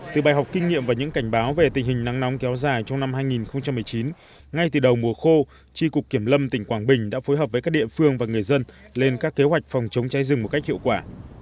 từ bài học kinh nghiệm và những cảnh báo về tình hình nắng nóng kéo dài trong năm hai nghìn một mươi chín ngay từ đầu mùa khô tri cục kiểm lâm tỉnh quảng bình đã phối hợp với các địa phương và người dân lên các kế hoạch phòng chống cháy rừng một cách hiệu quả